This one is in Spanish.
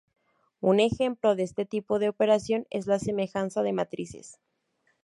Un ejemplo de este tipo de operación es la semejanza de matrices.